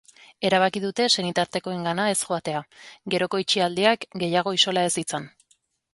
Erabaki dute senitartekoengana ez joatea, geroko itxialdiak gehiago isola ez ditzan.